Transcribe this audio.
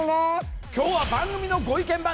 今日は番組のご意見